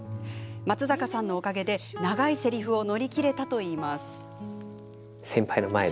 松坂さんのおかげで長いせりふを乗り切れたといいます。